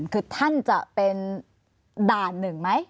คือท่านจะเป็นด่านหนึ่งไหม